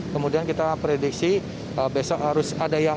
kemudian kita prediksi besok harus ada yang